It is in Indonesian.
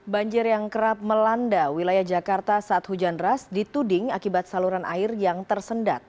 banjir yang kerap melanda wilayah jakarta saat hujan ras dituding akibat saluran air yang tersendat